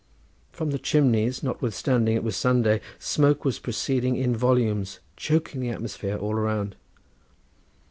From the chimneys, notwithstanding it was Sunday, smoke was proceeding in volumes, choking the atmosphere all around.